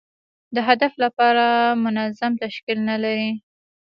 د هدف لپاره منظم تشکیل نه لري.